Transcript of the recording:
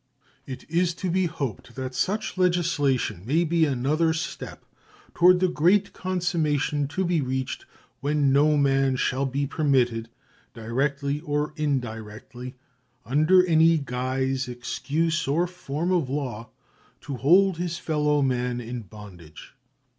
It is to be hoped that such legislation may be another step toward the great consummation to be reached, when no man shall be permitted, directly or indirectly, under any guise, excuse, or form of law, to hold his fellow man in bondage.